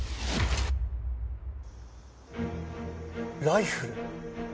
ライフル？